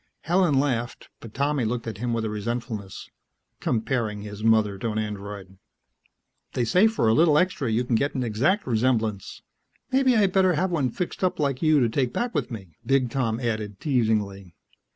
Helen laughed, but Tommy looked at him with a resentfulness. Comparing his mother to an Android.... "They say for a little extra you can get an exact resemblance. Maybe I'd better have one fixed up like you to take back with me," Big Tom added teasingly.